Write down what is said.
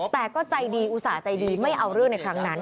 แต่ก็ใจดีอุตส่าห์ใจดีไม่เอาเรื่องในครั้งนั้น